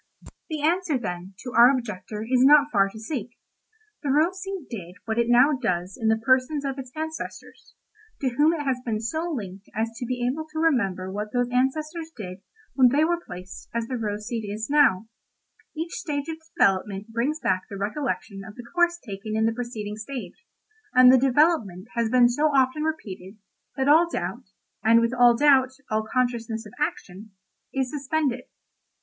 "The answer, then, to our objector is not far to seek. The rose seed did what it now does in the persons of its ancestors—to whom it has been so linked as to be able to remember what those ancestors did when they were placed as the rose seed now is. Each stage of development brings back the recollection of the course taken in the preceding stage, and the development has been so often repeated, that all doubt—and with all doubt, all consciousness of action—is suspended.